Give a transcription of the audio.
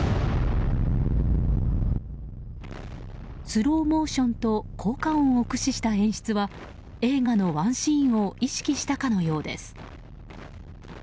スローモーションと効果音を駆使した演出は映画のワンシーンを意識したかのようです。